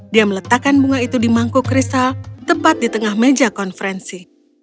dia meletakkan bunga itu di mangkuk kristal tepat di tengah meja konferensi